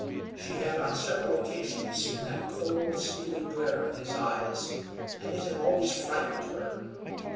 She had on several occasions seen that cold, steely glare in his eyes, and it had always frightened her.